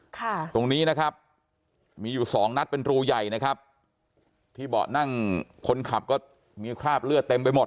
ตรงนี้นะครับมีอยู่สองนัดเป็นรูใหญ่นะครับที่เบาะนั่งคนขับก็มีคราบเลือดเต็มไปหมด